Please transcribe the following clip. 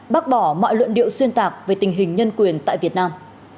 bác bỏ mọi luận điệu xuyên tạc về tình hình nhân quyền tại việt nam